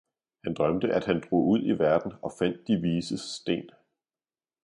han drømte, at han drog ud i verden og fandt de vises sten.